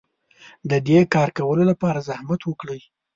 د دې کار کولو لپاره زحمت وکړئ.